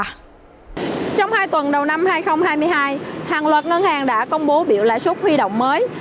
trong hai tuần đầu năm hai nghìn hai mươi hai hàng loạt ngân hàng đã công bố biểu lãi suất huy động mới